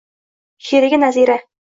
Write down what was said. sheʼriga nazira